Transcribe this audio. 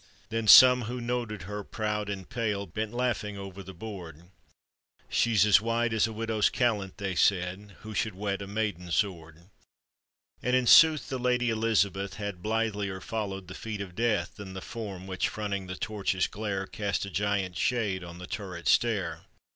Then 8«mo who noted her proud and pale Bent laughing over the board: "She is white as a widow's callant," they laid, " Who should whet a maiden sword " And in sooth the Lady Elizabeth Had blithelier followed the feet of death Than the form which, fronting the torch'. glare, Cast a giant shade on the turret flair.